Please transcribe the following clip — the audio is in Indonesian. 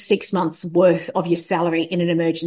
untuk membuang uang uang uang anda di akun kecemasan